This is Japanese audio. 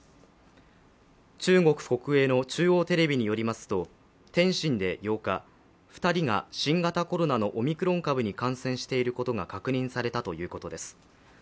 中国国営の中央テレビによりますと天津で８日、２人が新型コロナのオミクロン株に感染していることが確認されたということです。